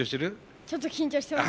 ちょっと緊張してます。